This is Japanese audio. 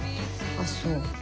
あっそう。